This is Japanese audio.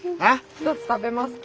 １つ食べますか？